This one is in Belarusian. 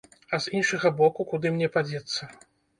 А з іншага боку, куды мне падзецца?